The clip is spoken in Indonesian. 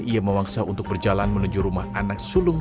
ia memaksa untuk berjalan menuju rumah anak sulung